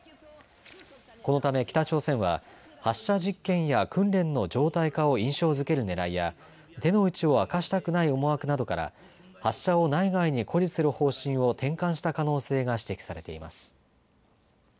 このため北朝鮮は発射実験や訓練の常態化を印象づけるねらいや手の内を明かしたくない思惑などから発射を内外に誇示する方針を転換した可能性が指摘されています。